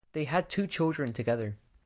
They had two children together.